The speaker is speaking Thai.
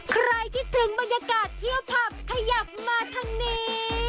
ใครคิดถึงบรรยากาศเที่ยวผับขยับมาทางนี้